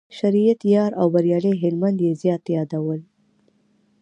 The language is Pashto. شریعت یار او بریالي هلمند یې زیات یادول.